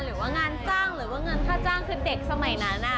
หรือว่างานจ้างหรือว่าเงินค่าจ้างคือเด็กสมัยนั้น